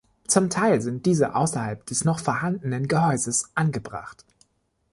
Zum Teil sind diese außerhalb des noch vorhandenen Gehäuses angebracht.